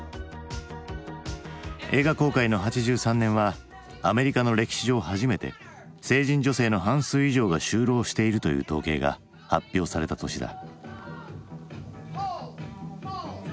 映画公開の８３年はアメリカの歴史上初めて成人女性の半数以上が就労しているという統計が発表された年だ。